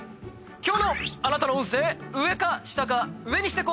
今日のあなたの運勢上か下か上にしてこ。